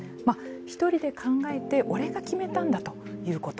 一人で考えて、俺が決めたんだということ。